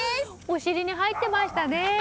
お尻に入っていましたね。